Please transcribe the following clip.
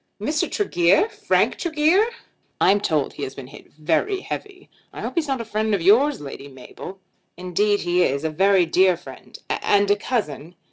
"Mr. Tregear! Frank Tregear!" "I'm told he has been hit very heavy. I hope he's not a friend of yours, Lady Mabel." "Indeed he is; a very dear friend and a cousin."